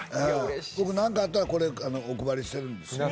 何かあったらこれ、お配りしてるんです。